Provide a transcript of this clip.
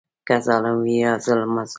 که ظالم وي یا مظلوم.